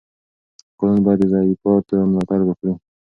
قانون باید د ضعیفانو ملاتړ وکړي.